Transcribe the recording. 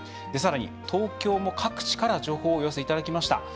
さらに、東京も各地から情報をお寄せいただきました。